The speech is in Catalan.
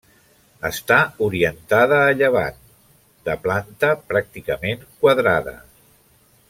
Està orientada a llevant, de planta pràcticament quadrada.